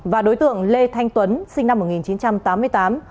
và đối tượng lê thanh tuấn sinh năm một nghìn chín trăm tám mươi tám